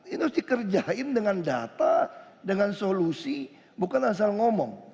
ini harus dikerjain dengan data dengan solusi bukan asal ngomong